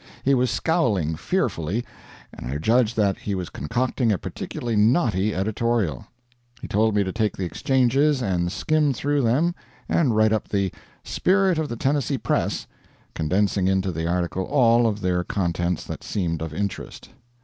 He was scowling fearfully, and I judged that he was concocting a particularly knotty editorial. He told me to take the exchanges and skim through them and write up the "Spirit of the Tennessee Press," condensing into the article all of their contents that seemed of interest.